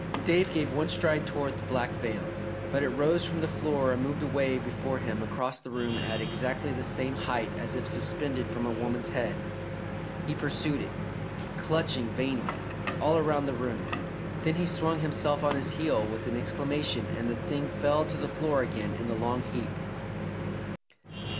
David gave one stride toward the black veil, but it rose from the floor and moved away before him across the room at exactly the same height as if suspended from a woman's head. He pursued it, clutching vainly, all around the room, then he swung himself on his heel with an exclamation and the thing fell to the floor again in the long heap.